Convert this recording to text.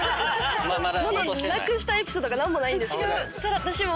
物なくしたエピソードが何もないんですけど。